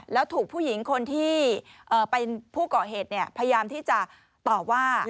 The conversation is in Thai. แล้วถูกผู้หญิงคนที่เป็นผู้ก่อเหตุพยายามที่จะตอบว่า